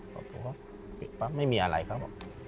ผมก็ปิดปั๊บไม่มีอะไรครับ